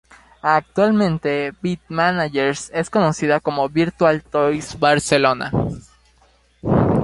Actualmente "Bit Managers" es conocida como Virtual Toys Barcelona.